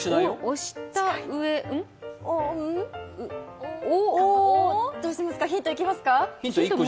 おしたうえどうしますかヒントいきますか。